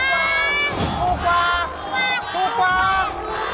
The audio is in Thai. ตอนนี้คุณุ๊ยกับคุณอมร่อน